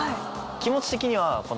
気持ち的にはこの。